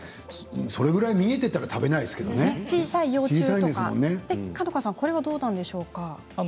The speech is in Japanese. それぐらい見えていたら食べないですけれどもこれはどうなんでしょうか。